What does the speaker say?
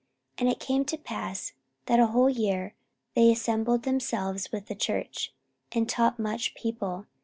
And it came to pass, that a whole year they assembled themselves with the church, and taught much people.